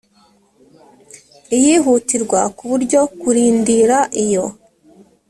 iyihutirwa kuburyo kurindira iyo